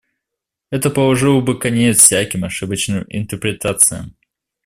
Это положило бы конец всяким ошибочным интерпретациям.